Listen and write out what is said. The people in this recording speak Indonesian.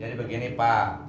jadi begini pak